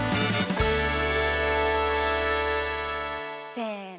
せの！